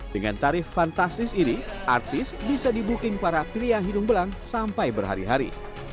dengan tarif fantastis ini artis bisa di booking para pria hidung belang sampai berhari hari